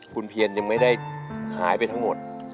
คุณเพียนยังไม่ได้หายไปทั้งหมด